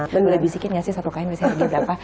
mbak boleh bisikin gak sih satu kain biasanya harga berapa